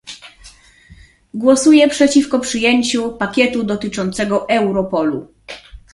Głosuję przeciwko przyjęciu pakietu dotyczącego Europolu